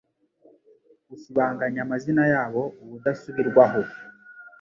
usibanganya amazina yabo ubudasubirwaho